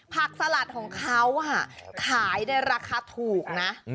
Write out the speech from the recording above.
สลัดของเขาขายในราคาถูกนะ